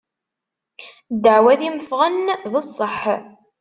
Ddeɛwat-im ffɣen d sseḥ.